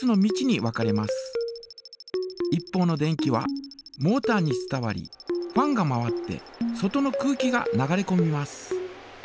一方の電気はモータに伝わりファンが回って外の空気が流れこみます。